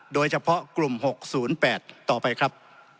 โดยเฉพาะกลุ่ม๖๐๘ต่อไปครับ